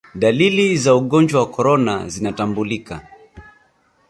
dalili za ugonjwa wa korona zinatambulika